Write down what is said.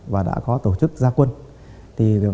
và đã có tổ chức gia quân